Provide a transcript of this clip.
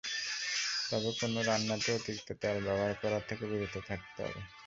তবে কোনো রান্নাতেই অতিরিক্ত তেল ব্যবহার করা থেকে বিরত থাকতে হবে।